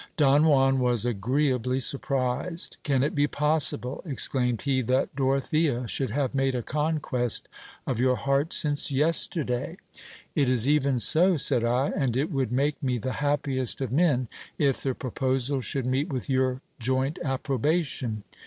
Don Juan was agreeably surprised. Can it be possible, exclaimed he, that Dorothea should have made a conquest of your heart since yesterday ? It is even so, said I, and it would make me the happiest of men, if the proposal should meet with your joint approbation.